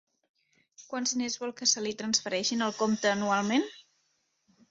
Quants diners vol que se li transfereixin al compte anualment?